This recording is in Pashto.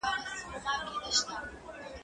دا وخت له هغه ښه دی!.